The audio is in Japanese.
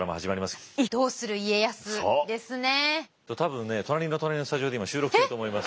多分ね隣の隣のスタジオで今収録していると思います。